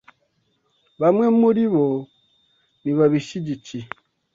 bamwe muri bo ntibabishyigikiye